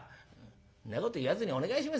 「そんなこと言わずにお願いしますよ